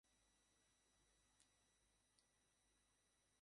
আমার থেকে কি চাও তোমরা?